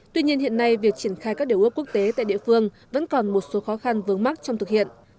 tuy nhiên hiện nay việc triển khai các điều ước quốc tế tại địa phương vẫn còn một số khó khăn vướng mắt trong thực hiện